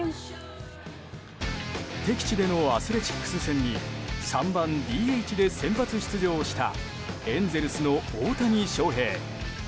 敵地でのアスレチックス戦に３番ＤＨで先発出場したエンゼルスの大谷翔平。